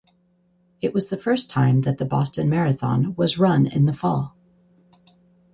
It was the first time that the Boston Marathon was run in the fall.